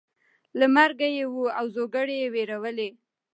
له مرګي یې وو اوزګړی وېرولی